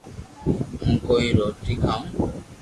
ھون ڪوئي روٽي کاو